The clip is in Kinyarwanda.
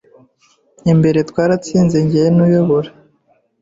Imbere twaratsinze njyewe nuyobora